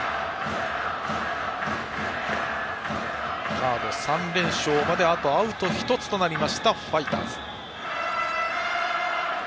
カード３連勝まで、あとアウトが１つとなったファイターズ。